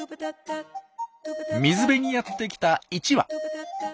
水辺にやって来た１羽。